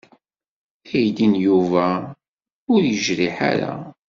Aydi n Yuba ur yejriḥ ara.